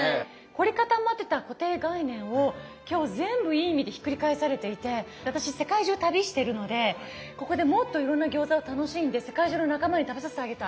凝り固まってた固定概念を今日全部いい意味でひっくり返されていて私世界中旅してるのでここでもっといろんな餃子を楽しんで世界中の仲間に食べさせてあげたい。